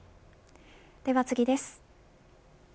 では次です。